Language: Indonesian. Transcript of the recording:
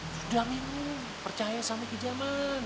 sudah minggu percaya sama kejaman